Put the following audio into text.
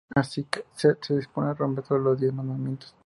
Así que Seth se dispone a romper todos los diez mandamientos.